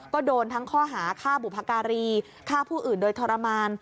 ก็โดนทั้งข้อหาฆ่าบุพการีฆ่าผู้อื่นโดยทรมาน